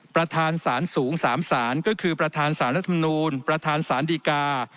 ประธานสารสูง๓สารก็คือประธานสารรัฐมนูลประธานสารดีกา